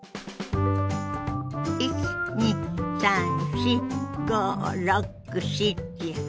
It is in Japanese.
１２３４５６７８。